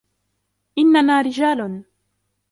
إننا رجال.